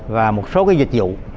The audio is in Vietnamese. và một số cái dịch vụ